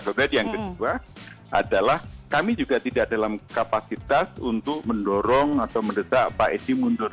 kemudian yang kedua adalah kami juga tidak dalam kapasitas untuk mendorong atau mendesak pak edi mundur